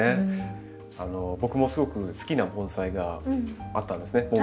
僕もすごく好きな盆栽があったんですね。